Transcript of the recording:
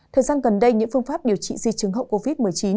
thời gian gần đây những phương pháp điều trị di chứng hậu covid một mươi chín